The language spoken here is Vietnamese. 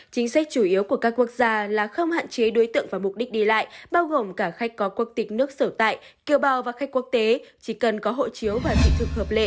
chính sách chủ yếu của các quốc gia là không hạn chế đối tượng và mục đích đi lại bao gồm cả khách có quốc tịch nước sở tại kiều bào và khách quốc tế chỉ cần có hộ chiếu và thị thực hợp lệ